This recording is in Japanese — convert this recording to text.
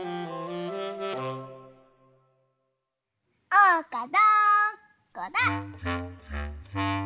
・おうかどこだ？